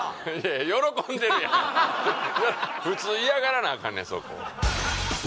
普通嫌がらなあかんねんそこと